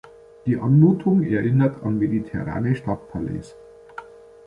Die Anmutung erinnert an mediterrane Stadtpalais.